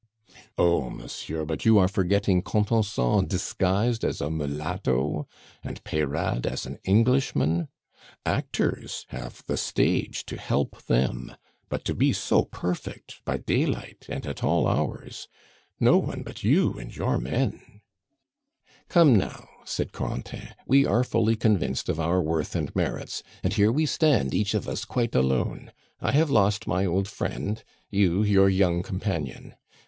"Oh! monsieur, but you are forgetting Contenson disguised as a mulatto, and Peyrade as an Englishman. Actors have the stage to help them, but to be so perfect by daylight, and at all hours, no one but you and your men " "Come, now," said Corentin, "we are fully convinced of our worth and merits. And here we stand each of us quite alone; I have lost my old friend, you your young companion.